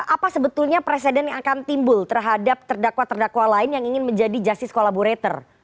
apa sebetulnya presiden yang akan timbul terhadap terdakwa terdakwa lain yang ingin menjadi justice collaborator